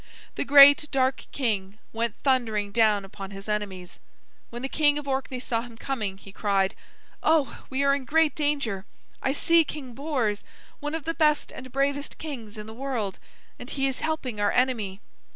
The great dark king went thundering down upon his enemies. When the King of Orkney saw him coming, he cried: "Oh, we are in great danger! I see King Bors, one of the best and bravest kings in the world, and he is helping our enemy."